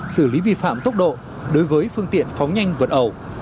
xử lý vi phạm tốc độ đối với phương tiện phóng nhanh vượt ẩu